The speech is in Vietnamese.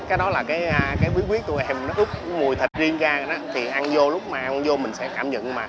cái đó là cái bí quyết tụi em ướp mùi thịt riêng ra thì ăn vô lúc mà ăn vô mình sẽ cảm nhận